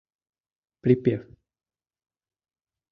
Припев.